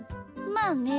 まあね。